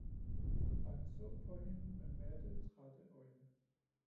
Og han så på hende med matte, trætte øjne